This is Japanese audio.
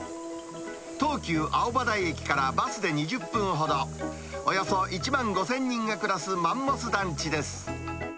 東急青葉台駅からバスで２０分ほど、およそ１万５０００人が暮らすマンモス団地です。